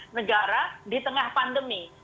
negara di tengah pandemi